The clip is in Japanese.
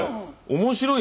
面白い。